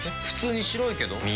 普通に白いけど。